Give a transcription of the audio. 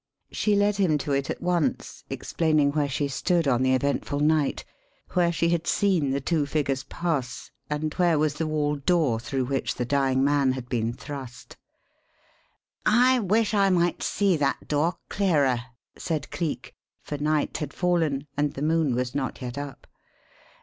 She led him to it at once, explaining where she stood on the eventful night; where she had seen the two figures pass, and where was the wall door through which the dying man had been thrust. "I wish I might see that door clearer," said Cleek; for night had fallen and the moon was not yet up.